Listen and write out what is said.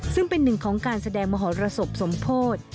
ซึ่งเป็นหนึ่งของการแสดงมหรสบสมโพธิ